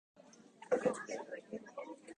サンガ―法について教えてほしい